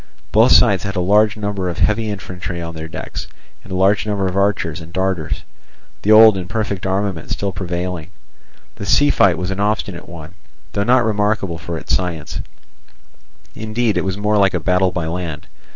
Both sides had a large number of heavy infantry on their decks, and a large number of archers and darters, the old imperfect armament still prevailing. The sea fight was an obstinate one, though not remarkable for its science; indeed it was more like a battle by land.